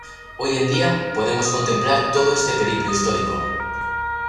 Hoy en día, podemos contemplar todo este periplo histórico.